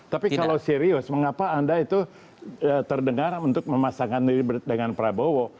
tapi kalau serius mengapa anda itu terdengar untuk memasangkan diri dengan prabowo